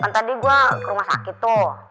kan tadi gue ke rumah sakit tuh